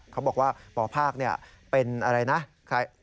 เขาบอกว่าหมอภาคเป็นอะไรนะ